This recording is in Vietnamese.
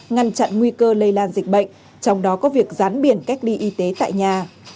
ngăn chặn nguy cơ lây lan dịch bệnh trong đó có việc rán biển cách ly y tế tại nhà